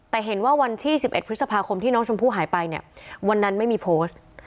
แต่เห็นว่าวันที่๑๑พฤษภาคมที่น้องชมพู่หายไปเนี่ยวันนั้นไม่มีโพสต์